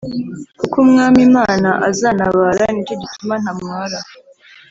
Kuko umwam’ imana aza ntabara nicyo gituma nta mwara